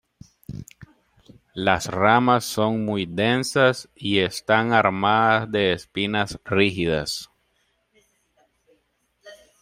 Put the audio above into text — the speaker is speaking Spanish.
Las ramas son muy densas y están armadas de espinas rígidas.